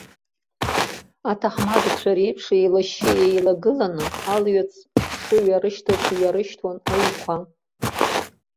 Аҭаҳмадцәа реиԥш еилашьшьы еилагыланы, алҩаҵә шыҩарышьҭыц иҩарышьҭуан аҩнқәа.